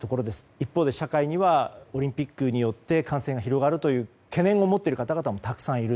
一方で社会にはオリンピックによって感染が広がる懸念を持っている方々もたくさんいる。